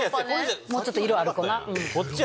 もうちょっと色ある子な。